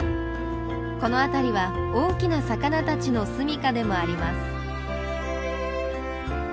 この辺りは大きな魚たちの住みかでもあります。